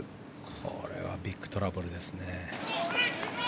これはビッグトラブルですね。